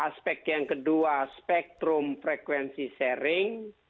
aspek yang kedua spektrum frekuensi sharing